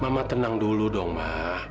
ma mama tenang dulu dong ma